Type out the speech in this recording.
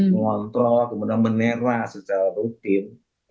mengontrol kemudian menera secara rutin